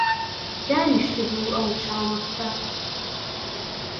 دانیشتبوو ئەو چاو مەستە